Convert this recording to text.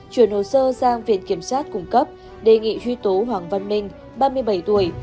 chuyển hồ sơ sang viện kiểm sát cung cấp đề nghị truy tố hoàng văn minh ba mươi bảy tuổi